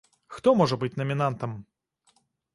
Хто можа быць намінантам?